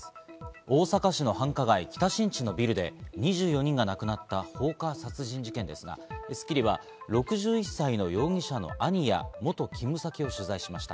大阪市の繁華街・北新地のビルで２４人が亡くなった放火殺人事件ですが、『スッキリ』は６１歳の容疑者の兄や元勤務先を取材しました。